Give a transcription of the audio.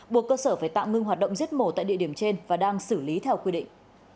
buộc cơ sở phải tạm ngưng hoạt động giết mổ tại địa điểm trên và đang xử lý theo quy định